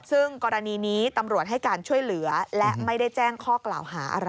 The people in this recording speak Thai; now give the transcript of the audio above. ซึ่งกรณีนี้ตำรวจให้การช่วยเหลือและไม่ได้แจ้งข้อกล่าวหาอะไร